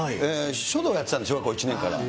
書道やってたんですよ、小学校１年から。